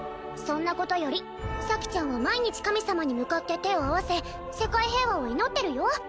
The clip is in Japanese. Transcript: そんなことより咲ちゃんは毎日神様に向かって手を合わせ世界平和を祈ってるよ